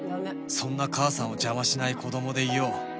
そんな母さんを邪魔しない子供でいよう